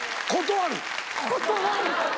「断る！」。